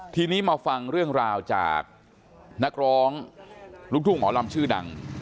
ทีนี้มาฟังเรื่องราวจากนักร้องลูกทุ่งหมอลำชื่อดัง